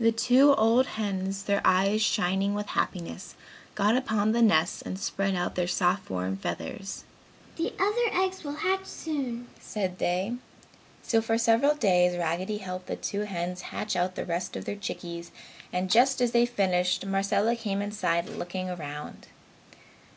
The two old hens, their eyes shining with happiness, got upon the nests and spread out their soft warm feathers, "The other eggs will hatch soon!" said they. So, for several days Raggedy helped the two hens hatch out the rest of the chickies and just as they finished, Marcella came inside looking around.